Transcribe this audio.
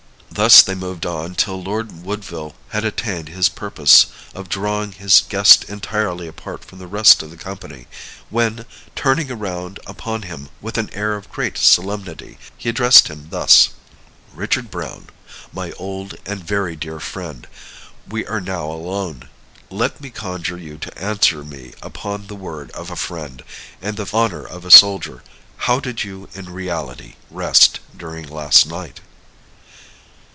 Thus they moved on till Lord Woodville had attained his purpose of drawing his guest entirely apart from the rest of the company, when, turning around upon him with an air of great solemnity, he addressed him thus: "Richard Browne, my old and very dear friend, we are now alone. Let me conjure you to answer me upon the word of a friend, and the honor of a soldier. How did you in reality rest during last night?"